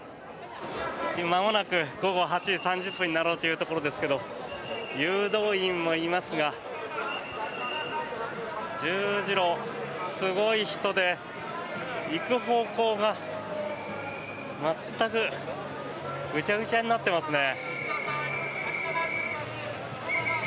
まもなく午後８時３０分になろうというところですが誘導員もいますが十字路、すごい人で行く方向が、全くぐちゃぐちゃになっていますね。